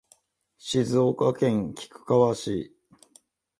静岡県菊川市